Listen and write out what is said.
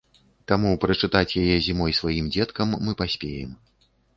Таму прачытаць яе зімой сваім дзеткам мы паспеем.